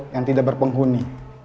yang tidak berpenghuni